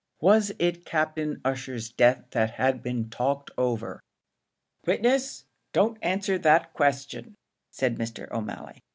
Was it Captain Ussher's death that had been talked over?" "Witness, don't answer that question," said Mr. O'Malley.